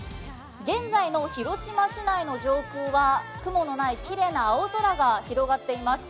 現在の広島市内の上空は雲のない、きれいな青空が広がっています。